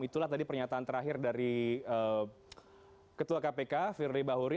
itulah tadi pernyataan terakhir dari ketua kpk firly bahuri